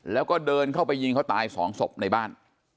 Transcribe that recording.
แล้วก็เดินเข้าไปยิงเขาตายสองศพในบ้าน